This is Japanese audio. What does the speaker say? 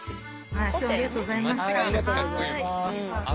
ありがとうございます。